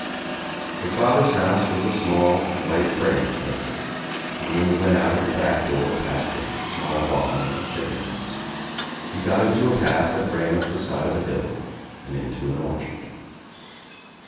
Her father's house was a small white frame aflair and when you went out at the back door, past a small bam and chicken house, you got into a path that ran up the side of a hill and into an orchard.